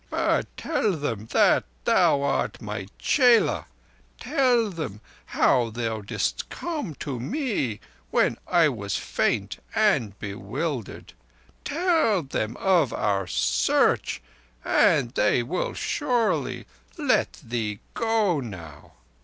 "But tell them that thou art my chela. Tell them how thou didst come to me when I was faint and bewildered. Tell them of our Search, and they will surely let thee go now."